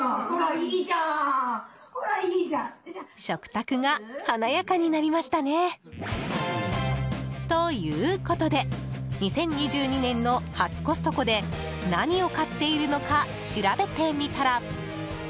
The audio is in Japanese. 食卓が華やかになりましたね！ということで２０２２年の初コストコで何を買っているのか調べてみたら。